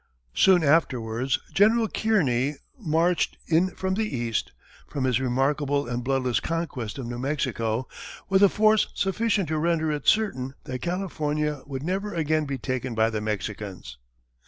Soon afterwards, General Kearny marched in from the east, from his remarkable and bloodless conquest of New Mexico, with a force sufficient to render it certain that California would never again be taken by the Mexicans.